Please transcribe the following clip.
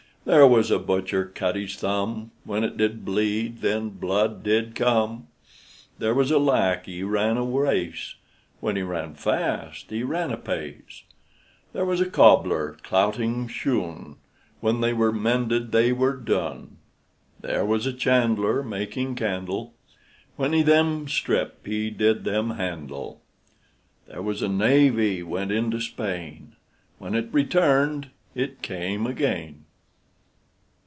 There was a butcher cut his thumb, When it did bleed, then blood did come. There was a lackey ran a race, When he ran fast, he ran apace. There was a cobbler clouting shoon, When they were mended, they were done. There was a chandler making candle, When he them strip, he did them handle. There was a navy went into Spain, When it returned, it came again.